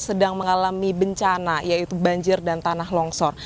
sedang mengalami bencana yaitu banjir dan tanah longsor